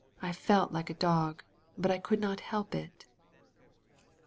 I felt like a dog. But I could not help it."